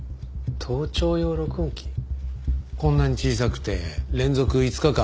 こんなに小さくて連続５日間